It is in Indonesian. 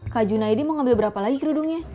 kak junaidi mau ngambil berapa lagi kerudungnya